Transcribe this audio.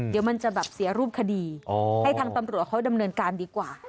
เดี๋ยวมันจะแบบเสียรูปคดีให้ทางตำรวจเขาดำเนินการดีกว่า